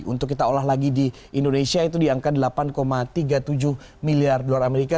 untuk kita olah lagi di indonesia itu di angka delapan tiga puluh tujuh miliar dolar amerika